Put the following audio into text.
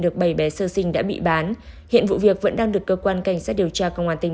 được bảy bé sơ sinh đã bị bán hiện vụ việc vẫn đang được cơ quan cảnh sát điều tra công an tỉnh